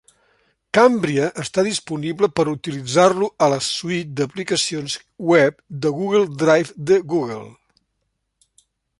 Cambria està disponible per utilitzar-lo a la suite d'aplicacions web de Google Drive de Google.